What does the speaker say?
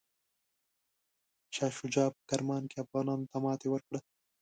شاه شجاع په کرمان کې افغانانو ته ماته ورکړه.